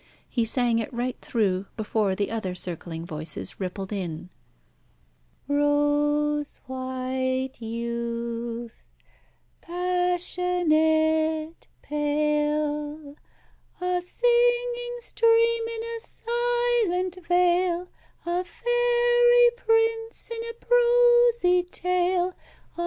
He sang it right through before the other circling voices rippled in "Rose white youth, Pas sionate, pale, A singing stream in a silent vale, A fairy prince in a prosy tale, Ah!